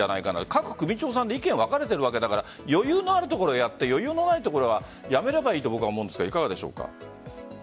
各首長さんで意見が分かれているから余裕のあるところはやってないところはやめればいいと思うんですがいかがでしょうか？